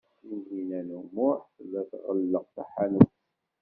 Tinhinan u Muḥ tella tɣelleq taḥanut.